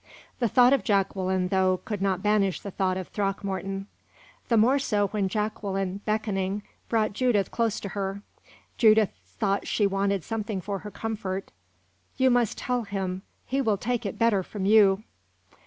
The thought of Jacqueline, though, could not banish the thought of Throckmorton; the more so when Jacqueline, beckoning, brought Judith close to her. Judith thought she wanted something for her comfort. "You must tell him; he will take it better from you."